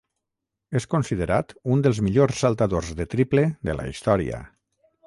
És considerat un dels millors saltadors de triple de la història.